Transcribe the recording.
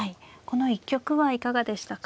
この一局はいかがでしたか。